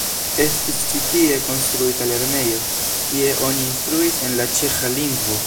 Estis ĉi tie konstruita lernejo, kie oni instruis en la ĉeĥa lingvo.